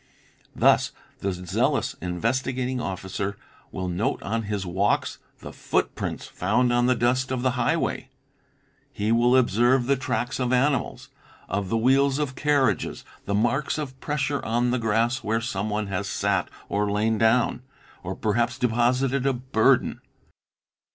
Thus the zealous Investigating Officer will note on his walks the footprints found on the dust of the highway; he will observe the tracks of animals, of the wheels of carriages, the marks of pressure on the grass where someone has sat or lain down, or perhaps deposited a burden.